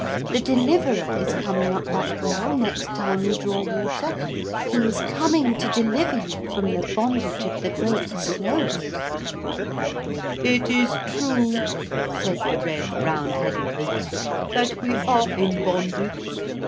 The Deliverer is coming up that well next time you draw water. He is coming to deliver you from the bondage of the Great Sloth.' 'It is true,' said the red round headed leader, 'that we are in bondage.